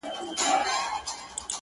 o ستا موسکي موسکي نظر کي ,